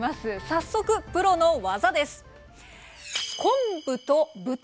早速プロの技です！